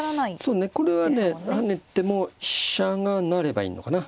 そうねこれはね跳ねても飛車が成ればいいのかな。